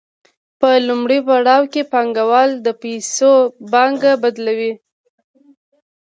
په لومړي پړاو کې پانګوال د پیسو پانګه بدلوي